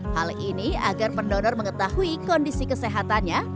hal ini agar pendonor mengetahui kondisi kesehatannya